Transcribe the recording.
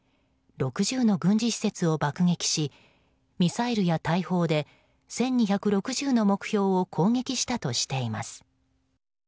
６０の軍事施設を爆撃しミサイルや大砲で１２６０の目標を攻撃したとしています。